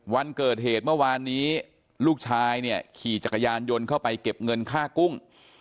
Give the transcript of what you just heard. วันเกิดเหตุเมื่อวานนี้ลูกชายเนี่ยขี่จักรยานยนต์เข้าไปเก็บเงินค่ากุ้ง